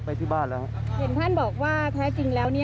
ไปที่บ้านแล้วฮะเห็นท่านบอกว่าแท้จริงแล้วนี่